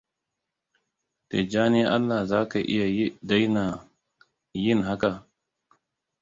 Tijjani Allah za ka iya daina yin haka?